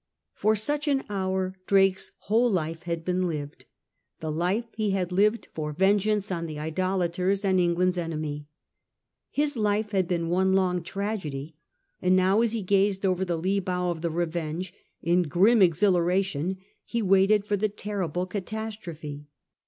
For such an hour Drake's whole life had been lived — the life he had lived for vengeance on the idolaters and England's enemy. His life had been one long tragedy, and now, as he gazed over the lee bow of the Bevenge, in grim exhilaration he waited for the terrible catastrophe.